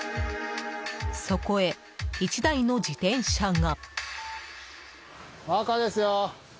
そこへ、１台の自転車が。